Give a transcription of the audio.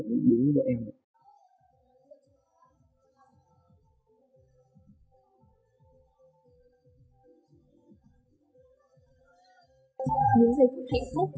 những dây cục hạnh phúc